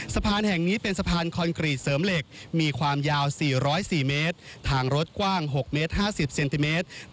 สะพานแห่งนี้เป็นสะพานคอนกรีตเสริมเหล็กมีความยาว๔๐๔เมตรทางรถกว้าง๖เมตร๕๐เซนติเมตร